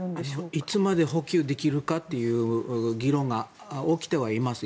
いつまで補給できるかという議論が起きてはいます。